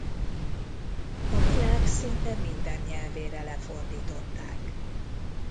A világ szinte minden nyelvére lefordították.